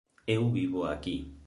Eu vivo aquí.